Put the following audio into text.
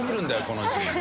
このシーン。